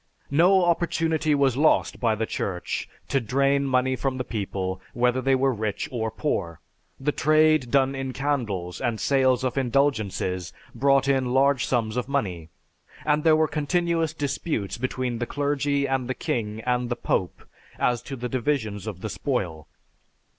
No opportunity was lost by the Church to drain money from the people whether they were rich or poor. The trade done in candles, and sales of indulgences brought in large sums of money, and there were continuous disputes between the clergy and the king and the Pope as to the divisions of the spoil.